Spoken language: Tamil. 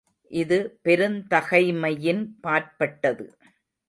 இது பெருந்தகைமையின் பாற்பட்டது.